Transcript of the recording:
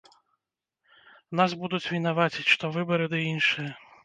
Нас будуць вінаваціць, што выбары ды іншае.